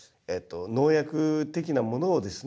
農薬的なものをですね